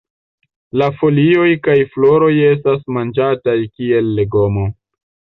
La folioj kaj floroj estas manĝataj kiel legomo.